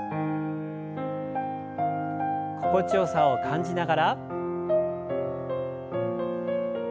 心地よさを感じながら。